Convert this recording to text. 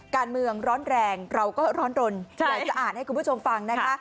การเมืองร้อนแรงเราก็ร้อนรนอยากจะอ่านให้คุณผู้ชมฟังนะคะ